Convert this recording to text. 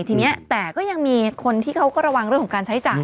ทีนี้แต่ก็ยังมีคนที่เขาก็ระวังเรื่องของการใช้จ่าย